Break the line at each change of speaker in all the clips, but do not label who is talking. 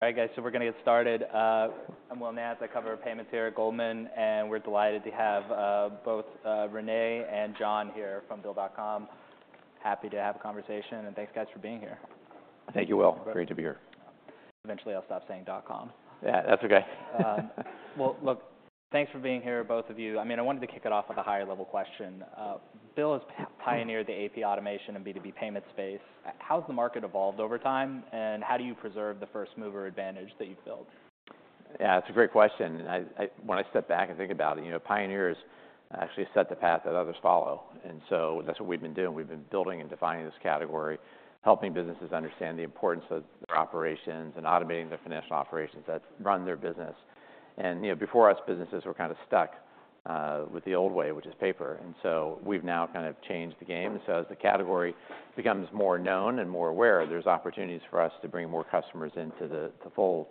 All right, guys, so we're gonna get started. I'm Will Nance. I cover payments here at Goldman, and we're delighted to have both René and John here from BILL. Happy to have a conversation, and thanks, guys, for being here.
Thank you, Will. Great to be here.
Eventually, I'll stop saying .com.
Yeah, that's okay.
Well, look, thanks for being here, both of you. I mean, I wanted to kick it off with a higher level question. BILL has pioneered the AP automation and B2B payment space. How has the market evolved over time, and how do you preserve the first mover advantage that you've built?
Yeah, it's a great question, and, when I step back and think about it, you know, pioneers actually set the path that others follow, and so that's what we've been doing. We've been building and defining this category, helping businesses understand the importance of their operations and automating the financial operations that run their business. And, you know, before us, businesses were kind of stuck with the old way, which is paper, and so we've now kind of changed the game. And so as the category becomes more known and more aware, there's opportunities for us to bring more customers into the fold.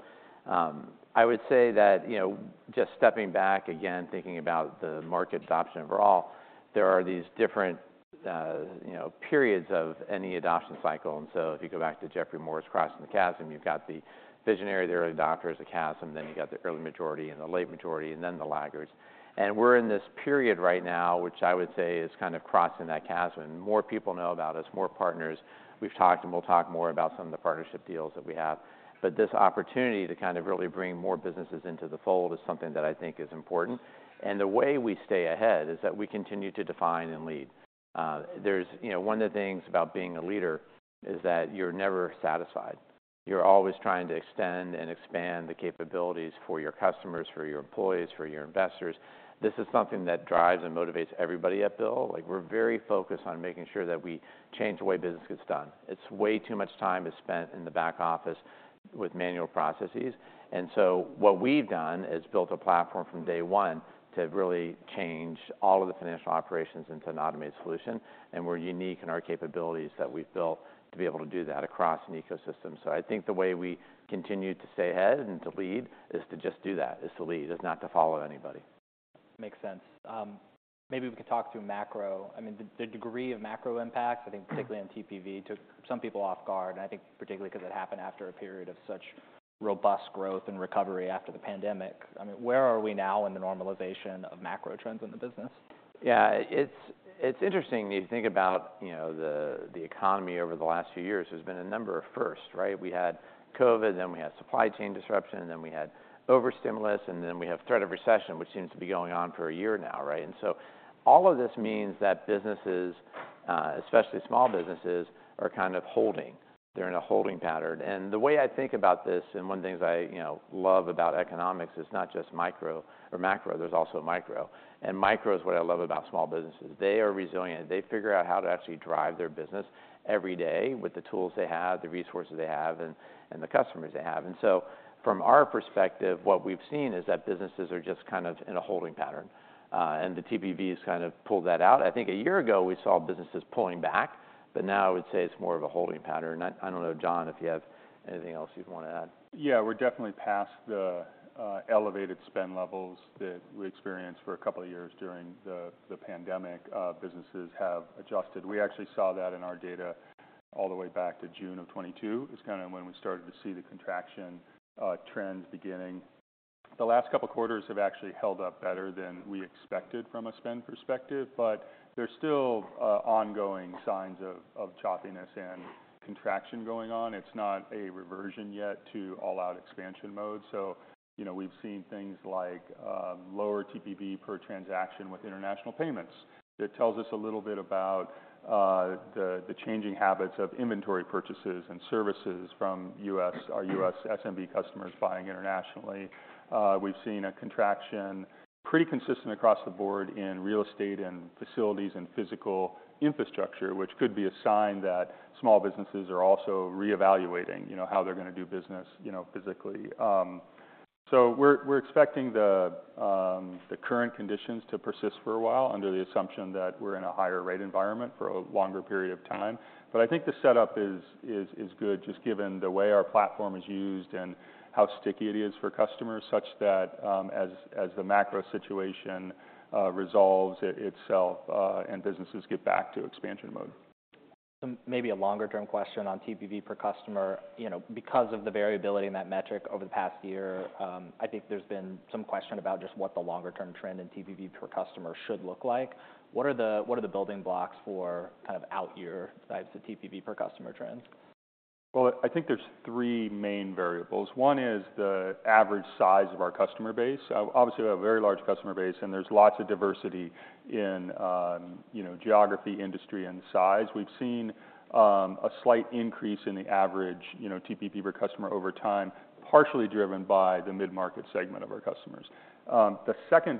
I would say that, you know, just stepping back again, thinking about the market adoption overall, there are these different, you know, periods of any adoption cycle. And so if you go back to Geoffrey Moore's Crossing the Chasm, you've got the visionary, the early adopters, the chasm, then you've got the early majority, and the late majority, and then the laggards. And we're in this period right now, which I would say is kind of crossing that chasm. More people know about us, more partners. We've talked and we'll talk more about some of the partnership deals that we have. But this opportunity to kind of really bring more businesses into the fold is something that I think is important. And the way we stay ahead is that we continue to define and lead. There's... You know, one of the things about being a leader is that you're never satisfied. You're always trying to extend and expand the capabilities for your customers, for your employees, for your investors. This is something that drives and motivates everybody at BILL. Like, we're very focused on making sure that we change the way business gets done. It's way too much time is spent in the back office with manual processes, and so what we've done is built a platform from day one to really change all of the financial operations into an automated solution, and we're unique in our capabilities that we've built to be able to do that across an ecosystem. So I think the way we continue to stay ahead and to lead is to just do that, is to lead, is not to follow anybody.
Makes sense. Maybe we could talk through macro. I mean, the degree of macro impacts, I think particularly on TPV, took some people off guard, and I think particularly 'cause it happened after a period of such robust growth and recovery after the pandemic. I mean, where are we now in the normalization of macro trends in the business?
Yeah, it's interesting when you think about, you know, the economy over the last few years. There's been a number of firsts, right? We had COVID, then we had supply chain disruption, and then we had over stimulus, and then we have threat of recession, which seems to be going on for a year now, right? And so all of this means that businesses, especially small businesses, are kind of holding. They're in a holding pattern. And the way I think about this, and one of the things I, you know, love about economics, it's not just micro or macro, there's also micro, and micro is what I love about small businesses. They are resilient. They figure out how to actually drive their business every day with the tools they have, the resources they have, and the customers they have. So from our perspective, what we've seen is that businesses are just kind of in a holding pattern, and the TPV has kind of pulled that out. I think a year ago, we saw businesses pulling back, but now I would say it's more of a holding pattern. I don't know, John, if you have anything else you'd want to add.
Yeah, we're definitely past the elevated spend levels that we experienced for a couple of years during the pandemic. Businesses have adjusted. We actually saw that in our data all the way back to June of 2022. It's when we started to see the contraction trends beginning. The last couple of quarters have actually held up better than we expected from a spend perspective, but there's still ongoing signs of choppiness and contraction going on. It's not a reversion yet to all-out expansion mode. So, you know, we've seen things like lower TPV per transaction with international payments. That tells us a little bit about the changing habits of inventory purchases and services from U.S.-our U.S. SMB customers buying internationally. We've seen a contraction pretty consistent across the board in real estate, and facilities, and physical infrastructure, which could be a sign that small businesses are also reevaluating, you know, how they're gonna do business, you know, physically. So we're expecting the current conditions to persist for a while under the assumption that we're in a higher rate environment for a longer period of time. But I think the setup is good, just given the way our platform is used and how sticky it is for customers, such that as the macro situation resolves itself, and businesses get back to expansion mode.
Some maybe a longer-term question on TPV per customer. You know, because of the variability in that metric over the past year, I think there's been some question about just what the longer-term trend in TPV per customer should look like. What are the... What are the building blocks for kind of out year types of TPV per customer trends?
Well, I think there's three main variables. One is the average size of our customer base. Obviously, we have a very large customer base, and there's lots of diversity in, you know, geography, industry, and size. We've seen a slight increase in the average, you know, TPV per customer over time, partially driven by the mid-market segment of our customers. The second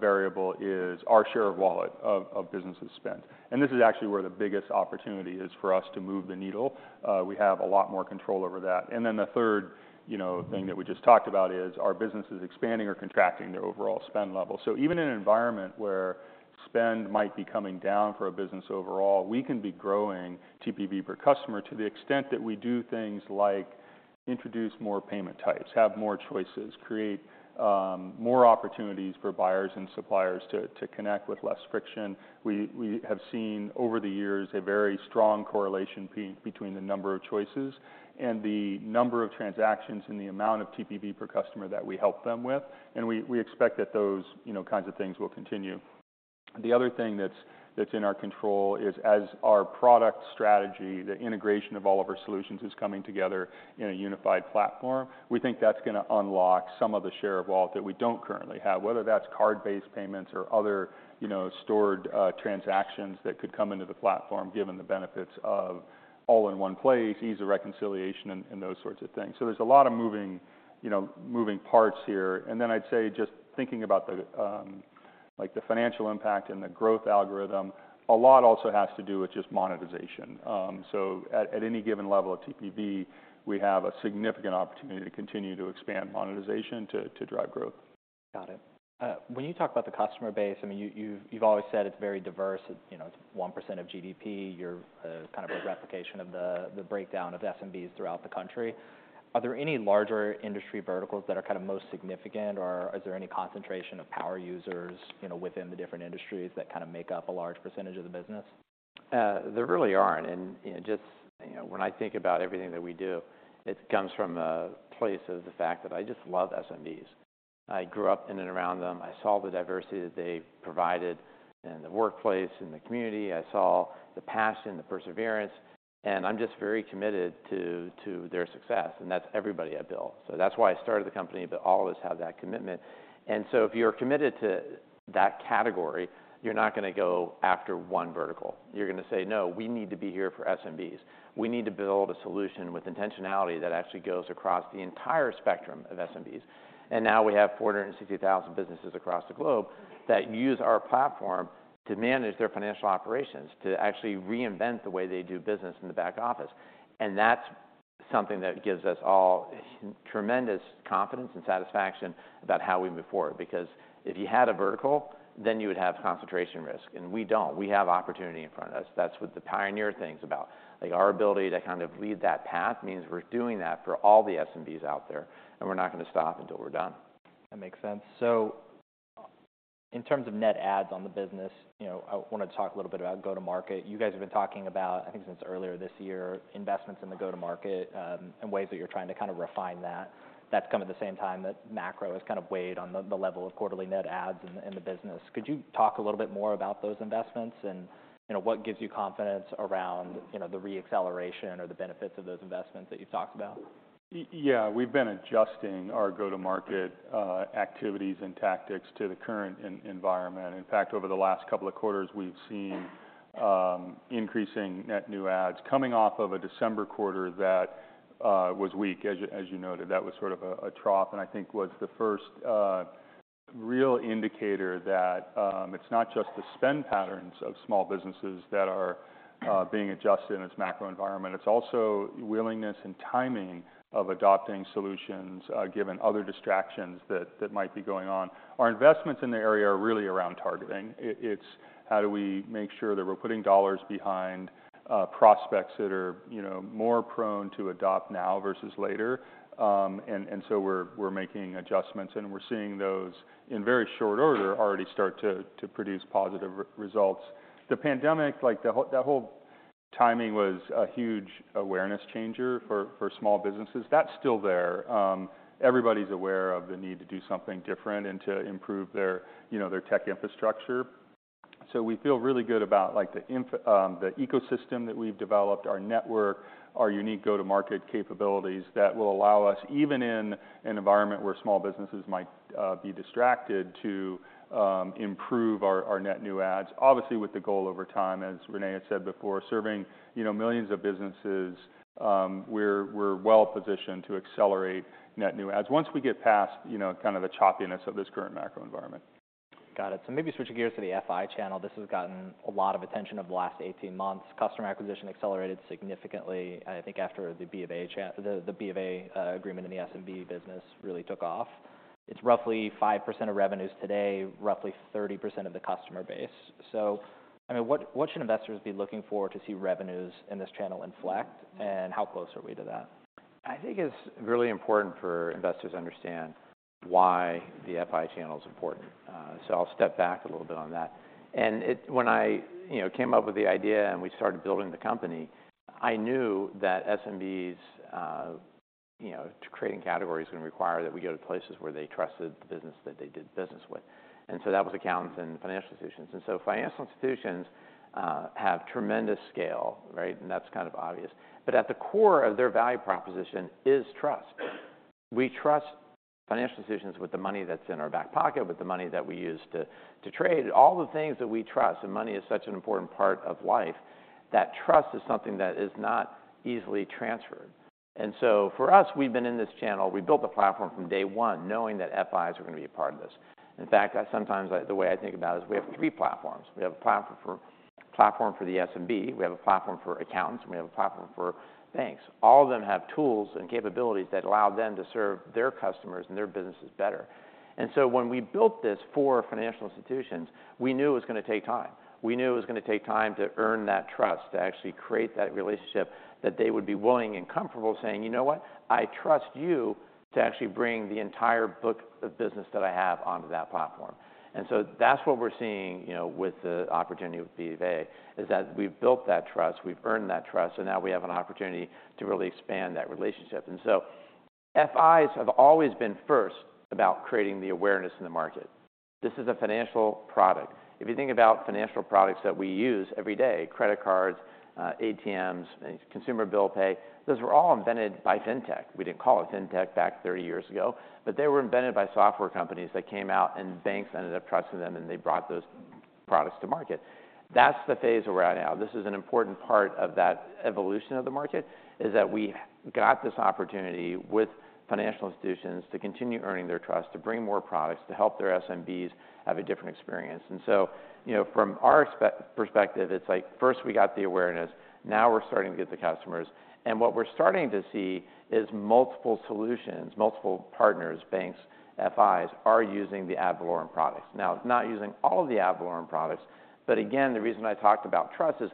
variable is our share of wallet, of, of businesses spend, and this is actually where the biggest opportunity is for us to move the needle. We have a lot more control over that. And then the third, you know, thing that we just talked about is, are businesses expanding or contracting their overall spend level? So even in an environment where you-... Spend might be coming down for a business overall, we can be growing TPV per customer to the extent that we do things like introduce more payment types, have more choices, create more opportunities for buyers and suppliers to connect with less friction. We have seen over the years a very strong correlation between the number of choices and the number of transactions, and the amount of TPV per customer that we help them with, and we expect that those, you know, kinds of things will continue. The other thing that's in our control is, as our product strategy, the integration of all of our solutions is coming together in a unified platform. We think that's gonna unlock some of the share of wallet that we don't currently have, whether that's card-based payments or other, you know, stored, transactions that could come into the platform, given the benefits of all in one place, ease of reconciliation, and, and those sorts of things. So there's a lot of moving, you know, moving parts here. And then I'd say just thinking about the, like the financial impact and the growth algorithm, a lot also has to do with just monetization. So at, at any given level of TPV, we have a significant opportunity to continue to expand monetization to, to drive growth.
Got it. When you talk about the customer base, I mean, you've always said it's very diverse. It's, you know, it's 1% of GDP. You're kind of a replication of the breakdown of SMBs throughout the country. Are there any larger industry verticals that are kind of most significant, or is there any concentration of power users, you know, within the different industries that kind of make up a large percentage of the business?
There really aren't, and just, you know, when I think about everything that we do, it comes from a place of the fact that I just love SMBs. I grew up in and around them. I saw the diversity that they provided in the workplace, in the community. I saw the passion, the perseverance, and I'm just very committed to, to their success, and that's everybody at BILL. So that's why I started the company, but all of us have that commitment. And so if you're committed to that category, you're not gonna go after one vertical. You're gonna say, "No, we need to be here for SMBs. We need to build a solution with intentionality that actually goes across the entire spectrum of SMBs." And now we have 460,000 businesses across the globe that use our platform to manage their financial operations, to actually reinvent the way they do business in the back office, and that's something that gives us all tremendous confidence and satisfaction about how we move forward. Because if you had a vertical, then you would have concentration risk, and we don't. We have opportunity in front of us. That's what the pioneer thing's about. Like, our ability to kind of lead that path means we're doing that for all the SMBs out there, and we're not gonna stop until we're done.
That makes sense. So in terms of net adds on the business, you know, I want to talk a little bit about go-to-market. You guys have been talking about, I think since earlier this year, investments in the go-to-market, and ways that you're trying to kind of refine that. That's come at the same time that macro has kind of weighed on the level of quarterly net adds in the business. Could you talk a little bit more about those investments and, you know, what gives you confidence around, you know, the re-acceleration or the benefits of those investments that you've talked about?
Yeah, we've been adjusting our go-to-market activities and tactics to the current environment. In fact, over the last couple of quarters, we've seen increasing net new adds coming off of a December quarter that was weak. As you noted, that was sort of a trough, and I think was the first real indicator that it's not just the spend patterns of small businesses that are being adjusted in its macro environment, it's also willingness and timing of adopting solutions given other distractions that might be going on. Our investments in the area are really around targeting. It's how do we make sure that we're putting dollars behind prospects that are, you know, more prone to adopt now versus later? And so we're making adjustments, and we're seeing those in very short order already start to produce positive results. The pandemic, like the timing, was a huge awareness changer for small businesses. That's still there. Everybody's aware of the need to do something different and to improve their, you know, their tech infrastructure. So we feel really good about the ecosystem that we've developed, our network, our unique go-to-market capabilities that will allow us, even in an environment where small businesses might be distracted, to improve our net new adds. Obviously, with the goal over time, as René had said before, serving, you know, millions of businesses, we're well positioned to accelerate net new adds. Once we get past, you know, kind of the choppiness of this current macro environment.
Got it. So maybe switching gears to the FI channel, this has gotten a lot of attention over the last 18 months. Customer acquisition accelerated significantly, I think, after the BofA agreement in the SMB business really took off. It's roughly 5% of revenues today, roughly 30% of the customer base. So, I mean, what should investors be looking for to see revenues in this channel inflect, and how close are we to that?
I think it's really important for investors to understand why the FI channel is important, so I'll step back a little bit on that. And when I, you know, came up with the idea and we started building the company, I knew that SMBs, you know, creating categories, was gonna require that we go to places where they trusted the business that they did business with. And so that was accountants and financial institutions. And so financial institutions have tremendous scale, right? And that's kind of obvious, but at the core of their value proposition is trust. We trust financial institutions with the money that's in our back pocket, with the money that we use to trade, all the things that we trust, and money is such an important part of life, that trust is something that is not easily transferred. And so for us, we've been in this channel. We built the platform from day one, knowing that FIs are gonna be a part of this. In fact, I sometimes, like, the way I think about it is we have three platforms: We have a platform for, platform for the SMB, we have a platform for accountants, and we have a platform for banks. All of them have tools and capabilities that allow them to serve their customers and their businesses better. And so when we built this for financial institutions, we knew it was going to take time. We knew it was going to take time to earn that trust, to actually create that relationship, that they would be willing and comfortable saying, "You know what? I trust you to actually bring the entire book of business that I have onto that platform." And so that's what we're seeing, you know, with the opportunity with BofA, is that we've built that trust, we've earned that trust, and now we have an opportunity to really expand that relationship. And so FIs have always been first about creating the awareness in the market. This is a financial product. If you think about financial products that we use every day, credit cards, ATMs, consumer bill pay, those were all invented by fintech. We didn't call it Fintech back 30 years ago, but they were invented by software companies that came out, and banks ended up trusting them, and they brought those products to market. That's the phase we're at now. This is an important part of that evolution of the market, is that we got this opportunity with financial institutions to continue earning their trust, to bring more products, to help their SMBs have a different experience. And so, you know, from our perspective, it's like, first we got the awareness, now we're starting to get the customers. And what we're starting to see is multiple solutions, multiple partners, banks, FIs, are using the ad valorem products. Now, not using all of the ad valorem products, but again, the reason I talked about trust is,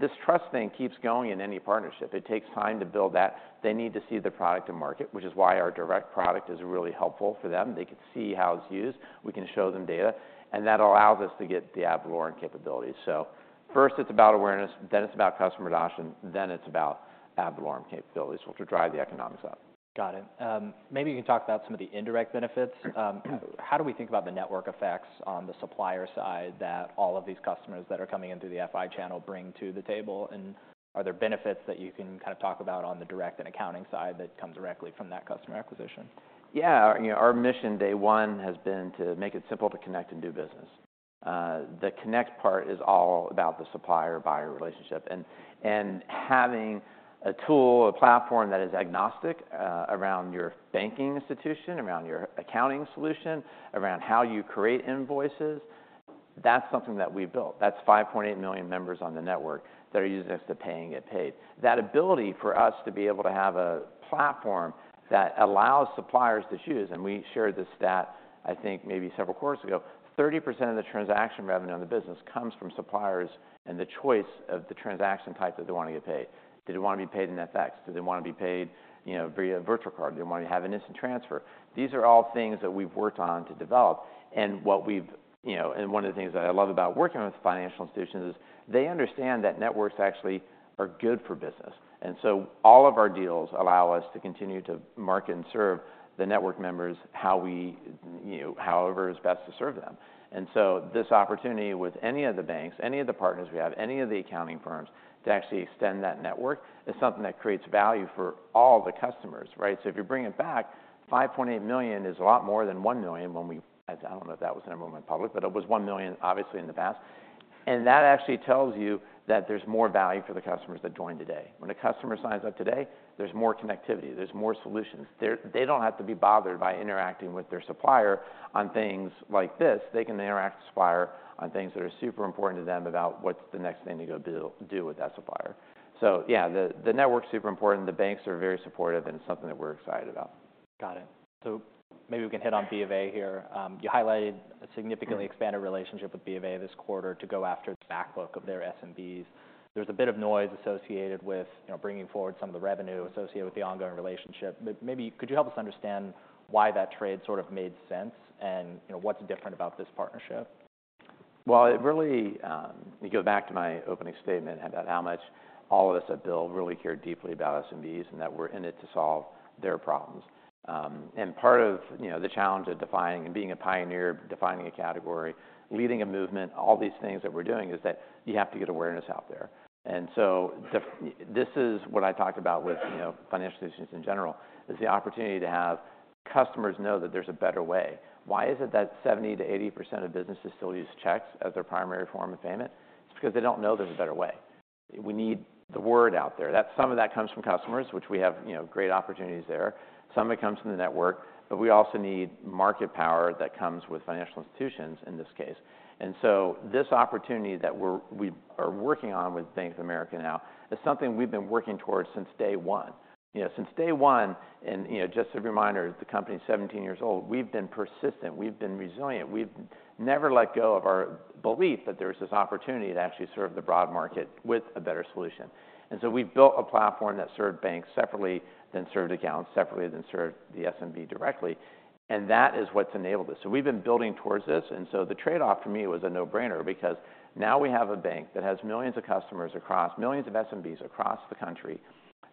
this trust thing keeps going in any partnership. It takes time to build that. They need to see the product to market, which is why our direct product is really helpful for them. They can see how it's used, we can show them data, and that allows us to get the ad valorem capabilities. First, it's about awareness, then it's about customer adoption, then it's about ad valorem capabilities, which will drive the economics up.
Got it. Maybe you can talk about some of the indirect benefits. How do we think about the network effects on the supplier side that all of these customers that are coming in through the FI channel bring to the table? And are there benefits that you can kind of talk about on the direct and accounting side that come directly from that customer acquisition?
Yeah. You know, our mission, day one, has been to make it simple to connect and do business. The connect part is all about the supplier-buyer relationship, and, and having a tool, a platform that is agnostic, around your banking institution, around your accounting solution, around how you create invoices, that's something that we've built. That's 5.8 million members on the network that are using us to pay and get paid. That ability for us to be able to have a platform that allows suppliers to choose, and we shared this stat, I think, maybe several quarters ago, 30% of the transaction revenue on the business comes from suppliers and the choice of the transaction type that they want to get paid. Do they want to be paid in FX? Do they want to be paid, you know, via virtual card? Do they want to have an instant transfer? These are all things that we've worked on to develop, and what we've... You know, and one of the things that I love about working with financial institutions is they understand that networks actually are good for business. And so all of our deals allow us to continue to market and serve the network members, how we- you know, however, is best to serve them. And so this opportunity with any of the banks, any of the partners we have, any of the accounting firms, to actually extend that network, is something that creates value for all the customers, right? So if you bring it back, $5.8 million is a lot more than $1 million when we... I don't know if that was the number went public, but it was $1 million, obviously, in the past. That actually tells you that there's more value for the customers that join today. When a customer signs up today, there's more connectivity, there's more solutions. They don't have to be bothered by interacting with their supplier on things like this. They can interact with the supplier on things that are super important to them about what's the next thing to go do with that supplier. So yeah, the network's super important, the banks are very supportive, and it's something that we're excited about.
Got it. So maybe we can hit on BofA here. You highlighted a significantly expanded relationship with BofA this quarter to go after the back book of their SMBs. There's a bit of noise associated with, you know, bringing forward some of the revenue associated with the ongoing relationship. But maybe could you help us understand why that trade sort of made sense? And, you know, what's different about this partnership?
Well, it really. You go back to my opening statement about how much all of us at BILL really care deeply about SMBs, and that we're in it to solve their problems. And part of, you know, the challenge of defining and being a pioneer, defining a category, leading a movement, all these things that we're doing, is that you have to get awareness out there. And so this is what I talked about with, you know, financial institutions in general, is the opportunity to have customers know that there's a better way. Why is it that 70%-80% of businesses still use checks as their primary form of payment? It's because they don't know there's a better way. We need the word out there. That some of that comes from customers, which we have, you know, great opportunities there. Some of it comes from the network, but we also need market power that comes with financial institutions, in this case. And so this opportunity that we are working on with Bank of America now is something we've been working towards since day one. You know, since day one, and, you know, just a reminder, the company is 17 years old, we've been persistent, we've been resilient. We've never let go of our belief that there's this opportunity to actually serve the broad market with a better solution. And so we've built a platform that served banks separately, then served accounts separately, then served the SMB directly, and that is what's enabled us. So we've been building towards this, and so the trade-off for me was a no-brainer, because now we have a bank that has millions of customers across millions of SMBs across the country,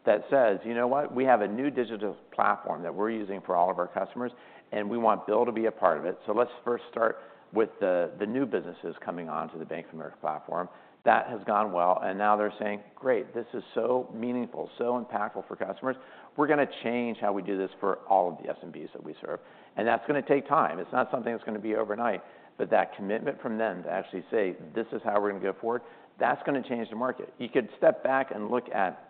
that says: "You know what? We have a new digital platform that we're using for all of our customers, and we want BILL to be a part of it. So let's first start with the new businesses coming on to the Bank of America platform." That has gone well, and now they're saying: "Great, this is so meaningful, so impactful for customers. We're gonna change how we do this for all of the SMBs that we serve." And that's gonna take time. It's not something that's gonna be overnight, but that commitment from them to actually say, "This is how we're gonna go forward," that's gonna change the market. You could step back and look at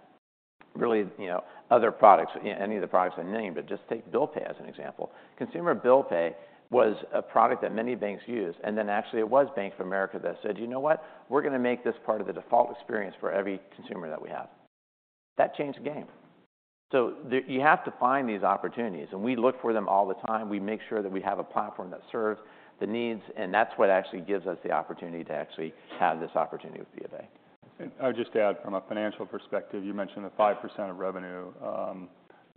really, you know, other products, any of the products I named, but just take Bill Pay as an example. Consumer Bill Pay was a product that many banks use, and then actually it was Bank of America that said: "You know what? We're gonna make this part of the default experience for every consumer that we have." That changed the game.... So the, you have to find these opportunities, and we look for them all the time. We make sure that we have a platform that serves the needs, and that's what actually gives us the opportunity to actually have this opportunity with BofA.
I would just add from a financial perspective, you mentioned the 5% of revenue,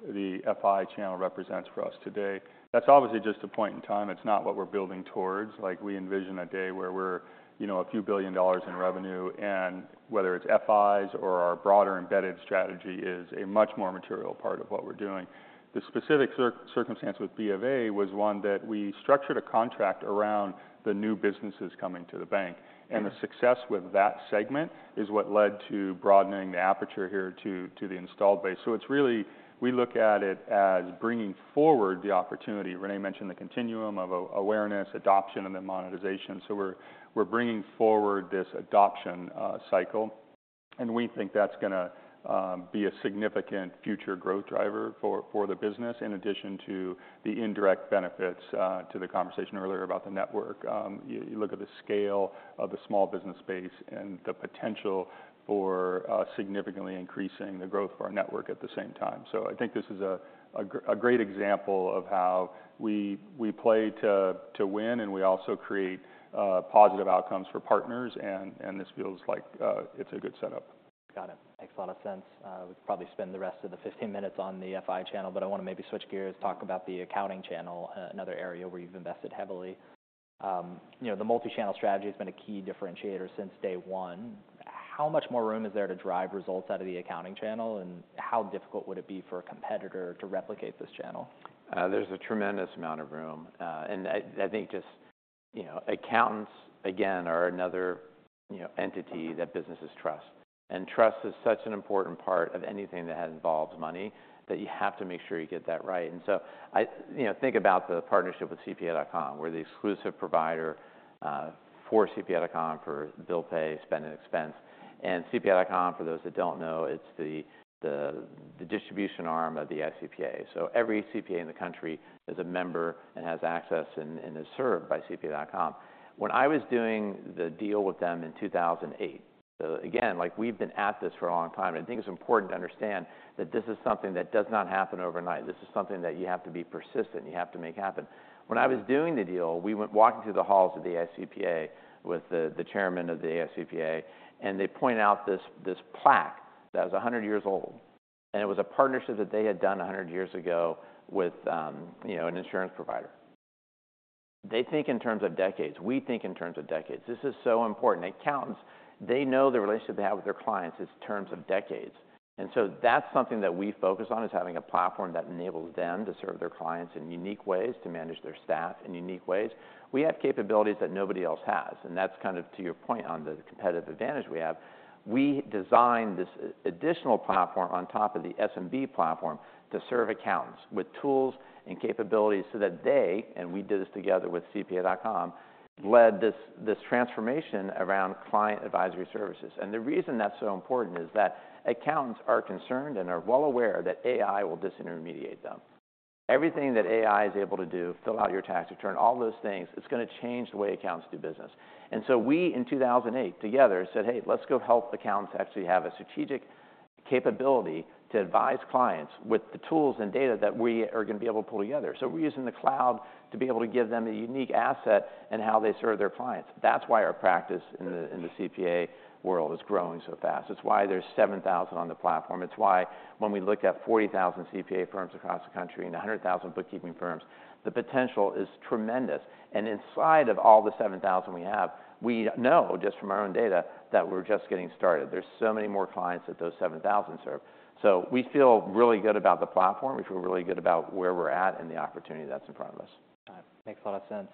the FI channel represents for us today. That's obviously just a point in time. It's not what we're building towards. Like, we envision a day where we're, you know, a few billion dollars in revenue, and whether it's FIs or our broader embedded strategy is a much more material part of what we're doing. The specific circumstance with BofA was one that we structured a contract around the new businesses coming to the bank.
Mm-hmm.
And the success with that segment is what led to broadening the aperture here to the installed base. So it's really we look at it as bringing forward the opportunity. René mentioned the continuum of awareness, adoption, and then monetization. So we're bringing forward this adoption cycle, and we think that's gonna be a significant future growth driver for the business, in addition to the indirect benefits to the conversation earlier about the network. You look at the scale of the small business space and the potential for significantly increasing the growth of our network at the same time. So I think this is a great example of how we play to win, and we also create positive outcomes for partners, and this feels like it's a good setup.
Got it. Makes a lot of sense. We could probably spend the rest of the 15 minutes on the FI channel, but I wanna maybe switch gears, talk about the accounting channel, another area where you've invested heavily. You know, the multi-channel strategy has been a key differentiator since day one. How much more room is there to drive results out of the accounting channel, and how difficult would it be for a competitor to replicate this channel?
There's a tremendous amount of room, and I think just, you know, accountants, again, are another, you know, entity that businesses trust. And trust is such an important part of anything that involves money, that you have to make sure you get that right. And so, you know, think about the partnership with CPA.com. We're the exclusive provider for CPA.com for bill pay, spend and expense. And CPA.com, for those that don't know, it's the distribution arm of the AICPA. So every CPA in the country is a member and has access and is served by CPA.com. When I was doing the deal with them in 2008, so again, like, we've been at this for a long time, and I think it's important to understand that this is something that does not happen overnight. This is something that you have to be persistent, you have to make happen. When I was doing the deal, we went walking through the halls of the AICPA with the chairman of the AICPA, and they pointed out this plaque that was 100 years old, and it was a partnership that they had done 100 years ago with, you know, an insurance provider. They think in terms of decades. We think in terms of decades. This is so important. Accountants, they know the relationship they have with their clients is in terms of decades. And so that's something that we focus on, is having a platform that enables them to serve their clients in unique ways, to manage their staff in unique ways. We have capabilities that nobody else has, and that's kind of to your point on the competitive advantage we have. We designed this additional platform on top of the SMB platform to serve accountants with tools and capabilities so that they, and we did this together with CPA.com, led this, this transformation around client advisory services. The reason that's so important is that accountants are concerned and are well aware that AI will disintermediate them. Everything that AI is able to do, fill out your tax return, all those things, it's gonna change the way accountants do business. We, in 2008, together, said, "Hey, let's go help accountants actually have a strategic capability to advise clients with the tools and data that we are gonna be able to pull together." We're using the cloud to be able to give them a unique asset in how they serve their clients. That's why our practice in the CPA world is growing so fast. It's why there's 7,000 on the platform. It's why when we look at 40,000 CPA firms across the country and 100,000 bookkeeping firms, the potential is tremendous. Inside of all the 7,000 we have, we know, just from our own data, that we're just getting started. There's so many more clients that those 7,000 serve. We feel really good about the platform. We feel really good about where we're at and the opportunity that's in front of us.
Makes a lot of sense.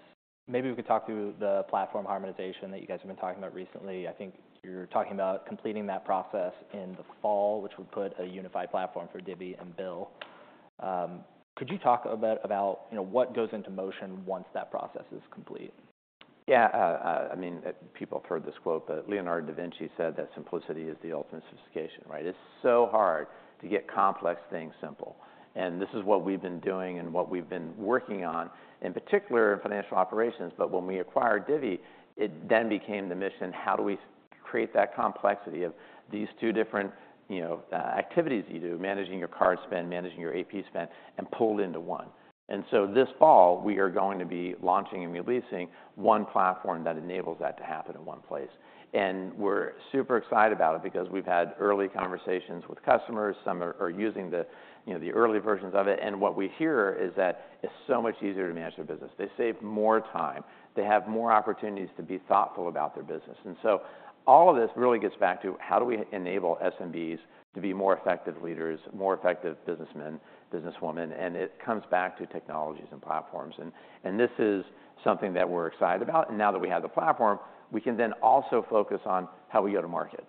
Maybe we could talk through the platform harmonization that you guys have been talking about recently. I think you're talking about completing that process in the fall, which would put a unified platform for Divvy and BILL. Could you talk a bit about, you know, what goes into motion once that process is complete?
Yeah, I mean, people have heard this quote, but Leonardo da Vinci said that simplicity is the ultimate sophistication, right? It's so hard to get complex things simple, and this is what we've been doing and what we've been working on, in particular in financial operations. But when we acquired Divvy, it then became the mission: How do we create that complexity of these two different, you know, activities you do, managing your card spend, managing your AP spend, and pulled into one? And so this fall, we are going to be launching and releasing one platform that enables that to happen in one place. And we're super excited about it because we've had early conversations with customers. Some are using the, you know, the early versions of it, and what we hear is that it's so much easier to manage their business. They save more time. They have more opportunities to be thoughtful about their business. And so all of this really gets back to how do we enable SMBs to be more effective leaders, more effective businessmen, businesswomen, and it comes back to technologies and platforms. and this is something that we're excited about, and now that we have the platform, we can then also focus on how we go to market,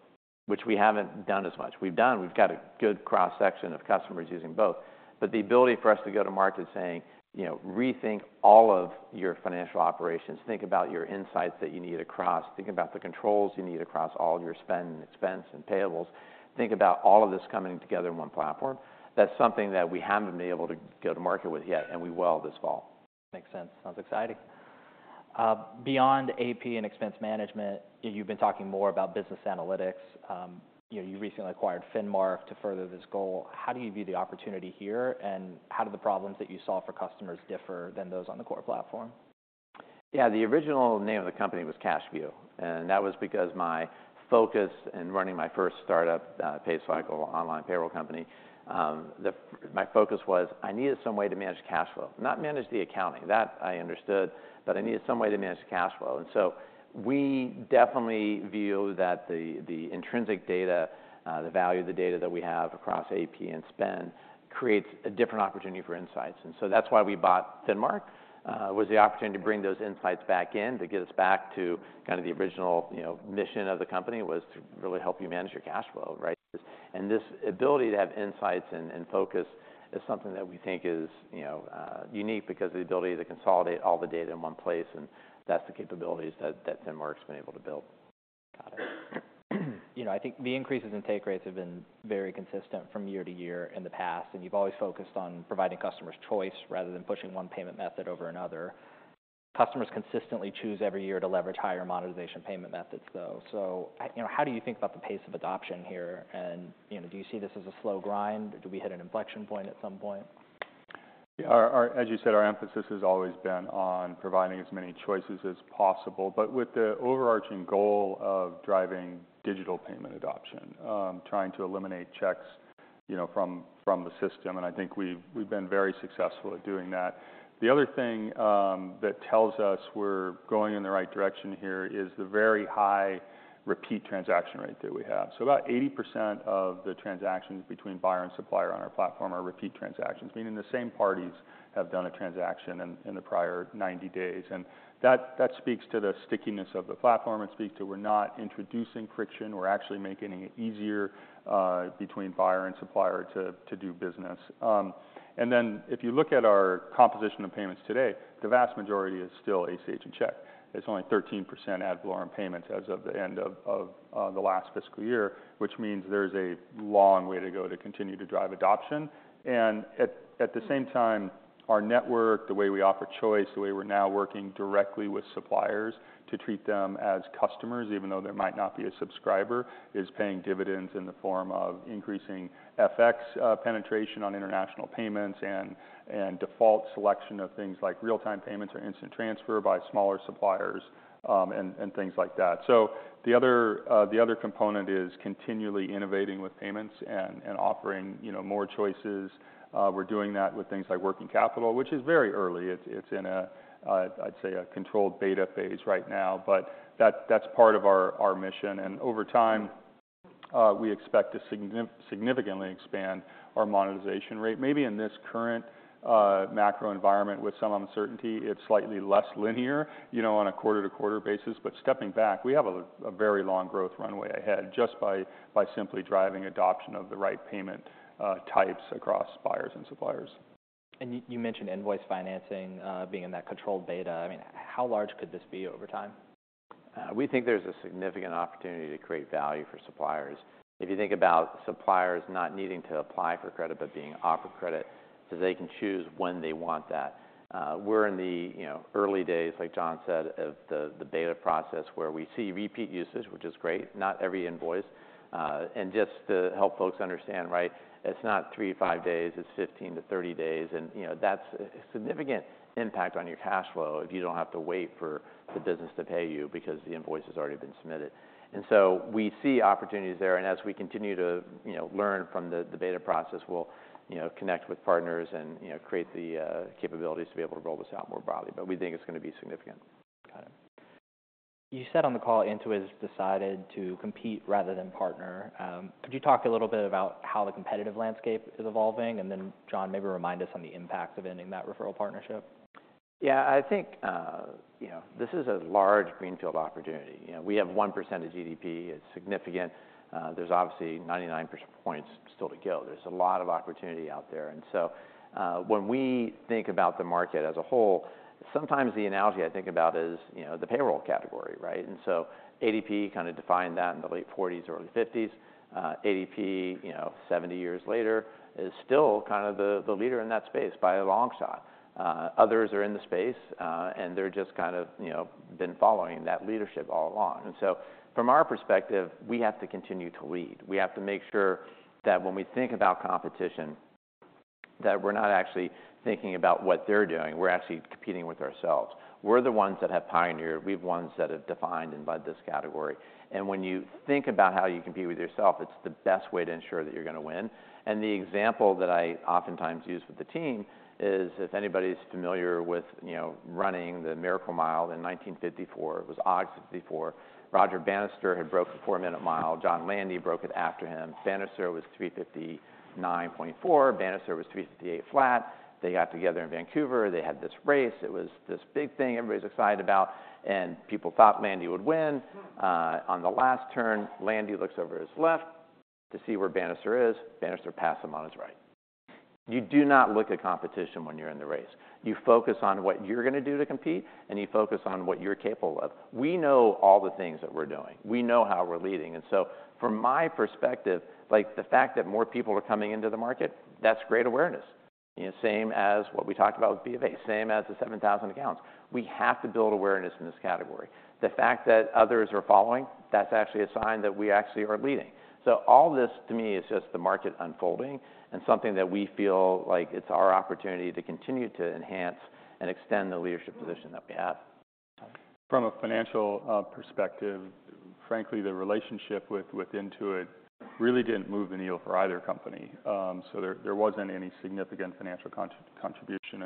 which we haven't done as much. We've got a good cross-section of customers using both, but the ability for us to go to market saying, "You know, rethink all of your financial operations. Think about your insights that you need across. Think about the controls you need across all of your spend, and expense, and payables. Think about all of this coming together in one platform." That's something that we haven't been able to go to market with yet, and we will this fall.
Makes sense. Sounds exciting. Beyond AP and expense management, you've been talking more about business analytics. You know, you recently acquired Finmark to further this goal. How do you view the opportunity here, and how do the problems that you solve for customers differ than those on the core platform?
Yeah, the original name of the company was CashView, and that was because my focus in running my first startup, PayCycle, online payroll company, my focus was I needed some way to manage cash flow, not manage the accounting. That I understood, but I needed some way to manage the cash flow. And so we definitely view that the intrinsic data, the value of the data that we have across AP and Spend creates a different opportunity for insights. And so that's why we bought Finmark, was the opportunity to bring those insights back in, to get us back to kind of the original, you know, mission of the company, was to really help you manage your cash flow, right? And this ability to have insights and focus is something that we think is, you know, unique because the ability to consolidate all the data in one place, and that's the capabilities that Finmark's been able to build.
Got it. You know, I think the increases in take rates have been very consistent from year to year in the past, and you've always focused on providing customers choice rather than pushing one payment method over another. Customers consistently choose every year to leverage higher monetization payment methods, though. So I... You know, how do you think about the pace of adoption here? And, you know, do you see this as a slow grind, or do we hit an inflection point at some point?
Yeah, our—as you said, our emphasis has always been on providing as many choices as possible, but with the overarching goal of driving digital payment adoption, trying to eliminate checks, you know, from the system, and I think we've been very successful at doing that. The other thing that tells us we're going in the right direction here is the very high repeat transaction rate that we have. So about 80% of the transactions between buyer and supplier on our platform are repeat transactions, meaning the same parties have done a transaction in the prior 90 days, and that speaks to the stickiness of the platform. It speaks to we're not introducing friction, we're actually making it easier between buyer and supplier to do business. And then if you look at our composition of payments today, the vast majority is still ACH and check. It's only 13% ad valorem payments as of the end of the last fiscal year, which means there's a long way to go to continue to drive adoption. And at the same time, our network, the way we offer choice, the way we're now working directly with suppliers to treat them as customers, even though they might not be a subscriber, is paying dividends in the form of increasing FX penetration on international payments and default selection of things like real-time payments or instant transfer by smaller suppliers, and things like that. So the other component is continually innovating with payments and offering, you know, more choices. We're doing that with things like working capital, which is very early. It's, it's in a, I'd say, a controlled beta phase right now, but that's part of our, our mission, and over time, we expect to significantly expand our monetization rate. Maybe in this current, macro environment with some uncertainty, it's slightly less linear, you know, on a quarter-to-quarter basis. But stepping back, we have a, a very long growth runway ahead just by, by simply driving adoption of the right payment, types across buyers and suppliers.
You, you mentioned invoice financing being in that controlled beta. I mean, how large could this be over time?
We think there's a significant opportunity to create value for suppliers. If you think about suppliers not needing to apply for credit, but being offered credit, so they can choose when they want that. We're in the, you know, early days, like John said, of the beta process, where we see repeat usage, which is great, not every invoice. And just to help folks understand, right, it's not 3-5 days, it's 15-30 days, and, you know, that's a significant impact on your cash flow if you don't have to wait for the business to pay you because the invoice has already been submitted. And so we see opportunities there, and as we continue to, you know, learn from the beta process, we'll, you know, connect with partners and, you know, create the capabilities to be able to roll this out more broadly. But we think it's gonna be significant.
Got it. You said on the call Intuit has decided to compete rather than partner. Could you talk a little bit about how the competitive landscape is evolving? And then, John, maybe remind us on the impact of ending that referral partnership.
Yeah, I think, you know, this is a large greenfield opportunity. You know, we have 1% of GDP. It's significant. There's obviously 99 percentage points still to go. There's a lot of opportunity out there. And so, when we think about the market as a whole, sometimes the analogy I think about is, you know, the payroll category, right? And so ADP kind of defined that in the late 1940s, early 1950s. ADP, you know, 70 years later, is still kind of the, the leader in that space by a long shot. Others are in the space, and they're just kind of, you know, been following that leadership all along. And so from our perspective, we have to continue to lead. We have to make sure that when we think about competition, that we're not actually thinking about what they're doing, we're actually competing with ourselves. We're the ones that have pioneered, we're the ones that have defined and led this category. When you think about how you compete with yourself, it's the best way to ensure that you're gonna win. The example that I oftentimes use with the team is, if anybody's familiar with, you know, running the Miracle Mile in 1954, it was August 1954. Roger Bannister had broke the four-minute mile. John Landy broke it after him. Bannister was 3:59.4. Bannister was 3:58 flat. They got together in Vancouver. They had this race. It was this big thing everybody's excited about, and people thought Landy would win. On the last turn, Landy looks over to his left to see where Bannister is. Bannister passed him on his right. You do not look at competition when you're in the race. You focus on what you're gonna do to compete, and you focus on what you're capable of. We know all the things that we're doing. We know how we're leading. So from my perspective, like, the fact that more people are coming into the market, that's great awareness... You know, same as what we talked about with BofA, same as the 7,000 accounts. We have to build awareness in this category. The fact that others are following, that's actually a sign that we actually are leading. All this, to me, is just the market unfolding and something that we feel like it's our opportunity to continue to enhance and extend the leadership position that we have.
From a financial perspective, frankly, the relationship with Intuit really didn't move the needle for either company. So there wasn't any significant financial contribution.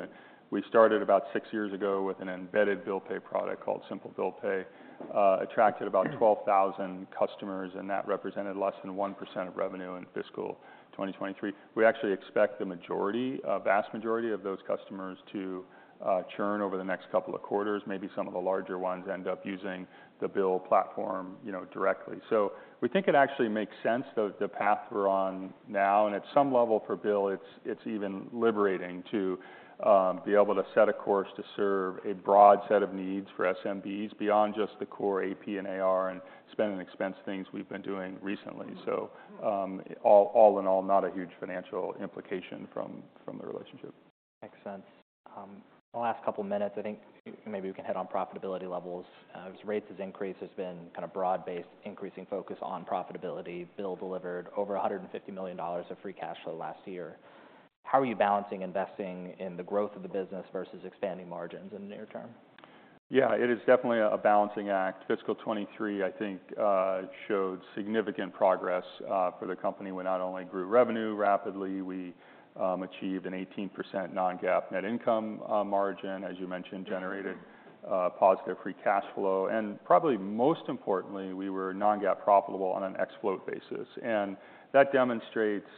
We started about 6 years ago with an embedded bill pay product called Simple Bill Pay, attracted about 12,000 customers, and that represented less than 1% of revenue in fiscal 2023. We actually expect the majority, a vast majority of those customers to churn over the next couple of quarters. Maybe some of the larger ones end up using the bill platform, you know, directly. So we think it actually makes sense, the path we're on now, and at some level, for BILL, it's even liberating to be able to set a course to serve a broad set of needs for SMBs beyond just the core AP and AR and spend and expense things we've been doing recently. So, all in all, not a huge financial implication from the relationship.
Makes sense. The last couple minutes, I think maybe we can hit on profitability levels. As rates has increased, there's been kind of broad-based, increasing focus on profitability. BILL delivered over $150 million of free cash flow last year. How are you balancing investing in the growth of the business versus expanding margins in the near term?
Yeah, it is definitely a balancing act. Fiscal 2023, I think, showed significant progress for the company. We not only grew revenue rapidly, we achieved an 18% non-GAAP net income margin, as you mentioned, generated positive free cash flow. And probably most importantly, we were non-GAAP profitable on an ex-float basis, and that demonstrates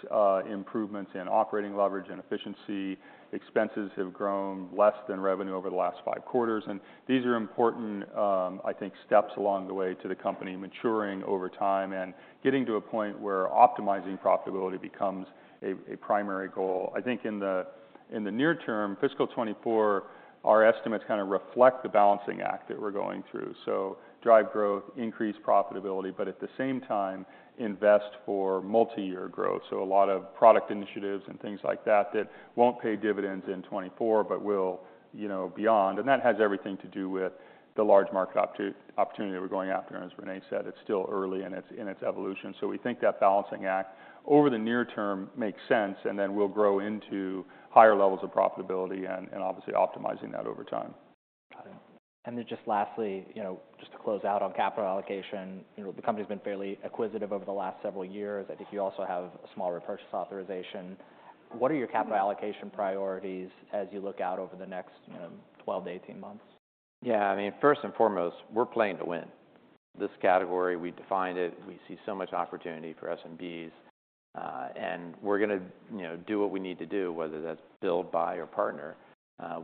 improvements in operating leverage and efficiency. Expenses have grown less than revenue over the last five quarters, and these are important, I think, steps along the way to the company maturing over time and getting to a point where optimizing profitability becomes a primary goal. I think in the near term, fiscal 2024, our estimates kind of reflect the balancing act that we're going through. So drive growth, increase profitability, but at the same time, invest for multi-year growth. So, a lot of product initiatives and things like that that won't pay dividends in 2024, but will, you know, beyond. And that has everything to do with the large market opportunity that we're going after. And as René said, it's still early in its evolution. So we think that balancing act over the near term makes sense, and then we'll grow into higher levels of profitability and obviously, optimizing that over time.
Got it. And then just lastly, you know, just to close out on capital allocation, you know, the company's been fairly acquisitive over the last several years. I think you also have a small repurchase authorization. What are your capital allocation priorities as you look out over the next, you know, 12-18 months?
Yeah, I mean, first and foremost, we're playing to win. This category, we defined it. We see so much opportunity for SMBs, and we're gonna, you know, do what we need to do, whether that's build, buy or partner,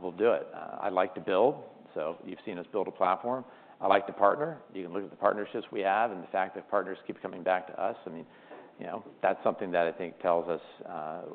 we'll do it. I like to build, so you've seen us build a platform. I like to partner. You can look at the partnerships we have and the fact that partners keep coming back to us. I mean, you know, that's something that I think tells us,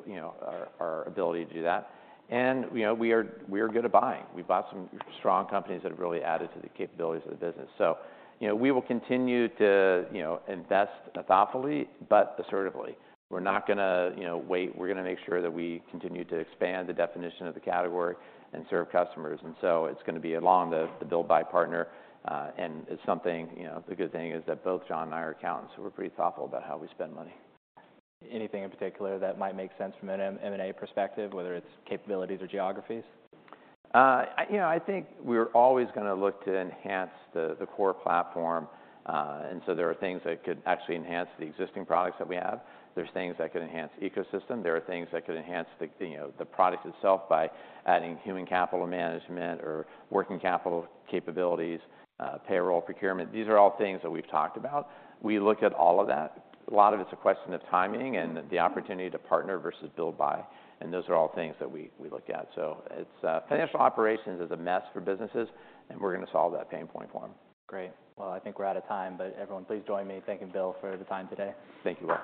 you know, our, our ability to do that. And, you know, we are, we are good at buying. We bought some strong companies that have really added to the capabilities of the business. So, you know, we will continue to, you know, invest thoughtfully, but assertively. We're not gonna, you know, wait. We're gonna make sure that we continue to expand the definition of the category and serve customers. And so it's gonna be along the build by partner, and it's something... You know, the good thing is that both John and I are accountants, so we're pretty thoughtful about how we spend money.
Anything in particular that might make sense from an M&A perspective, whether it's capabilities or geographies?
You know, I think we're always gonna look to enhance the core platform, and so there are things that could actually enhance the existing products that we have. There's things that could enhance ecosystem. There are things that could enhance you know, the product itself by adding human capital management or working capital capabilities, payroll, procurement. These are all things that we've talked about. We look at all of that. A lot of it's a question of timing and the opportunity to partner versus build, buy, and those are all things that we look at. So it's financial operations is a mess for businesses, and we're gonna solve that pain point for them.
Great. Well, I think we're out of time, but everyone, please join me in thanking BILL for the time today.
Thank you, Will.